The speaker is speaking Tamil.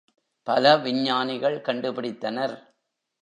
பல விஞ்ஞானிகள் கண்டு பிடித்தனர்.